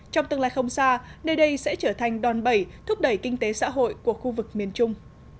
trong tương lai không xa nơi đây sẽ trở thành đòn bẩy thúc đẩy kinh tế xã hội của khu vực miền trung